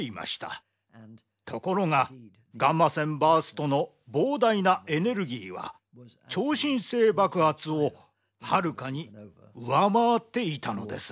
ところがガンマ線バーストの膨大なエネルギーは超新星爆発をはるかに上回っていたのです。